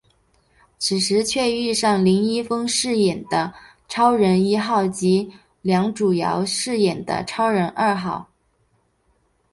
此时却遇上林一峰饰演的超人一号及梁祖尧饰演的超人二号。